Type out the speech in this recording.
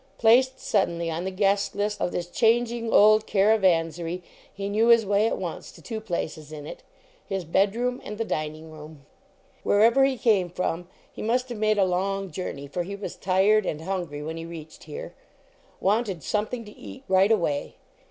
Placed suddenly on the guest list of this changing old caravansary, he knew his way at once to two places in it his bed room and the dining room. Wherever he came from he must have made a long journey, for he was tired and hungry when he reached here. Wanted something to eat right away.